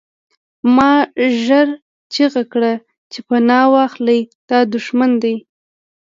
ما ژر چیغې کړې چې پناه واخلئ دا دښمن دی